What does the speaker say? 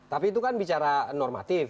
tapi itu kan bicara normatif